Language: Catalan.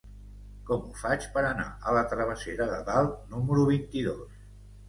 Com ho faig per anar a la travessera de Dalt número vint-i-dos?